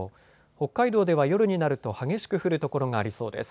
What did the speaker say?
北海道では夜になると激しく降る所がありそうです。